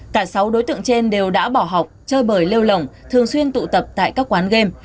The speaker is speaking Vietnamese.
cả sáu đối tượng trên đều đã bỏ học chơi bởi lêu lỏng thường xuyên tụ tập tại các quán game